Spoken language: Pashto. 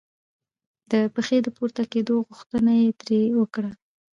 د پښې د پورته کېدو غوښتنه یې ترې وکړه.